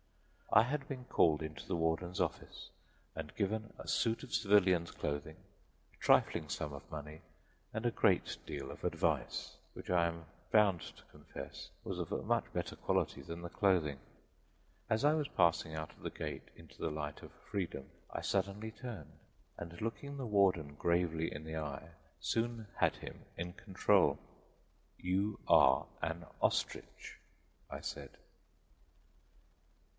I had been called into the warden's office and given a suit of civilian's clothing, a trifling sum of money and a great deal of advice, which I am bound to confess was of a much better quality than the clothing. As I was passing out of the gate into the light of freedom I suddenly turned and looking the warden gravely in the eye, soon had him in control. "You are an ostrich," I said.